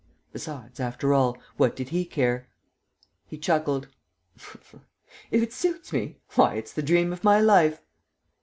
Besides, after all, what did he care? He chuckled: "If it suits me? Why, it's the dream of my life!"